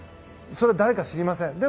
それは誰か知りません。